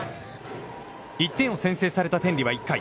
１点を先制された天理は１回。